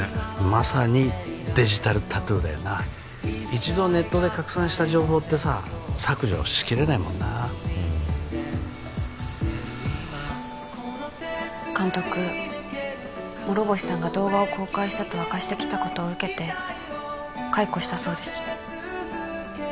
まさにデジタルタトゥーだよな一度ネットで拡散した情報ってさ削除しきれないもんな監督諸星さんが動画を公開したと明かしてきたことを受けて解雇したそうです